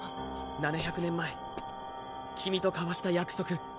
７００年前君と交わした約束